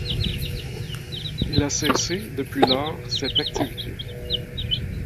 Il a cessé, depuis lors, cette activité.